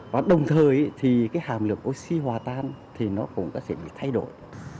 và đồng thời hàm lượng oxy hòa tan cũng sẽ bị thay đổi